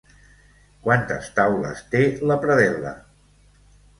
Quantes taules té la predel·la?